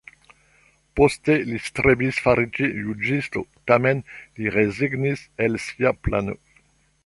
Poste li strebis fariĝi juĝisto tamen li rezignis el sia plano.